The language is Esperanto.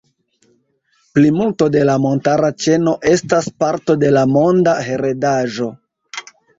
Plimulto de la montara ĉeno estas parto de la Monda heredaĵo.